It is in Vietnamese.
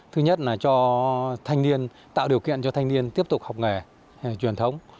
thứ nhất là tạo điều kiện cho thanh niên tiếp tục học nghề truyền thống